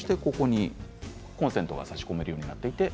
コンセントがさし込めるようにもなっています。